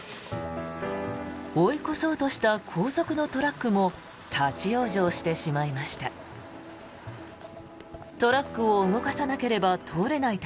追い越そうとした後続のトラックも立ち往生してしまいました。